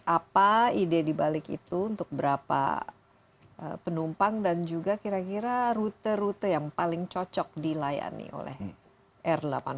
apa ide dibalik itu untuk berapa penumpang dan juga kira kira rute rute yang paling cocok dilayani oleh r delapan puluh